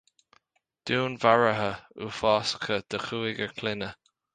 Dúnmharuithe uafásacha de chúigear clainne